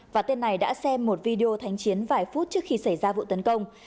và tên này đã xem một video thanh chiến vài phút trước khi xảy ra vụ tấn công